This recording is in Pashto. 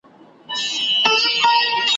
خورهار يې رسېدى تر گاونډيانو `